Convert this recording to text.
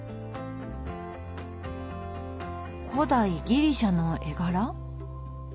古代ギリシャの絵柄？